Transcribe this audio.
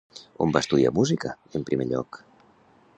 On va estudiar música, en primer lloc?